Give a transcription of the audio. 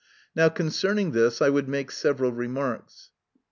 Now concerning this, I would make several remarks.